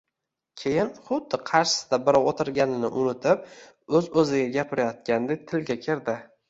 Keyin xuddi qarshisida birov o`tirganini unutib, o`z-o`ziga gapirayotganday tilga kirdi